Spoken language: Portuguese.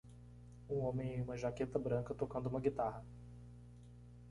Um homem em uma jaqueta branca tocando uma guitarra.